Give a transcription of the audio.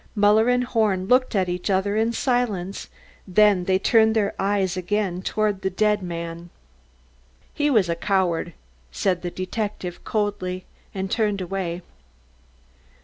Muller and Horn looked at each other in silence, then they turned their eyes again toward the dead man. "He was a coward," said the detective coldly, and turned away.